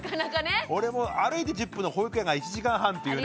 俺も歩いて１０分の保育園が１時間半っていうね。